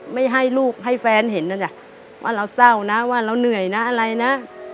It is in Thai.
ไม่ให้ลูกให้แฟนเห็นนะจ๊ะว่าเราเศร้านะว่าเราเหนื่อยนะอะไรนะ